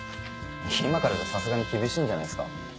今からじゃさすがに厳しいんじゃないっすか？